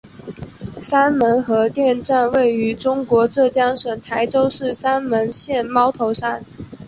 三门核电站位于中国浙江省台州市三门县猫头山。